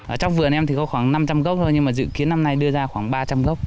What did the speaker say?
ở trong vườn em thì có khoảng năm trăm linh gốc thôi nhưng mà dự kiến năm nay đưa ra khoảng ba trăm linh gốc